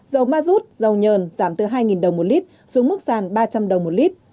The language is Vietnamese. dầu ma rút dầu nhờn giảm từ hai đồng một lít xuống mức sàn ba trăm linh đồng một lít